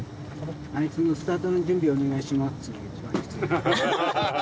あいつのスタートの準備をお願いしますというのが、一番きついよ。